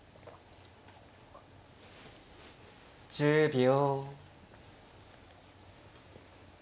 １０秒。